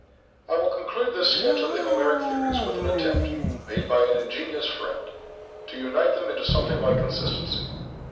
I will conclude this sketch of the Homeric theories, with an attempt, made by an ingenious friend, to unite them into something like consistency.